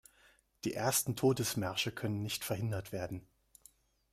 Die ersten Todesmärsche können nicht verhindert werden.